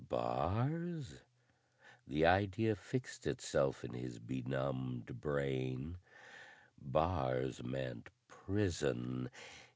Bars? The idea fixed itself in his benumbed brain; bars meant prison!